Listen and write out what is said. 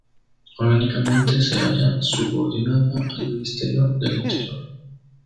Orgánicamente, se halla subordinada al Ministerio del Interior.